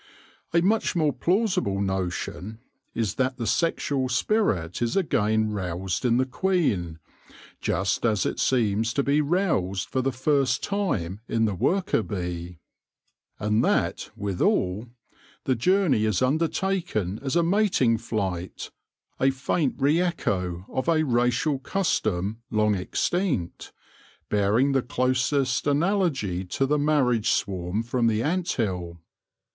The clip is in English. A much more plausible notion is that the sexual spirit is again roused in the queen, just as it seems to be roused for the first time in the worker bee ; and that, with all, the journey is undertaken as a mating flight, a faint re echo of a racial custom long extinct, bearing the closest analogy to the marriage swarm from the ant hill.